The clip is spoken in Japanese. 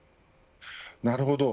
なるほど。